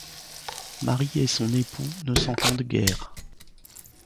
Marie et son époux ne s'entendent guère.